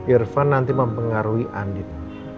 irfan nanti mempengaruhi andin